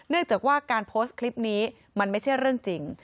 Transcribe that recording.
จากว่าการโพสต์คลิปนี้มันไม่ใช่เรื่องจริง